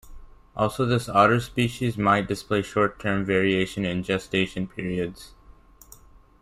Also, this otter species might display short-term variation in gestation periods.